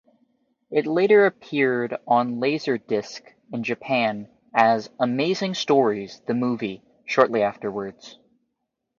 It later appeared on LaserDisc in Japan as "Amazing Stories: The Movie" shortly afterwards.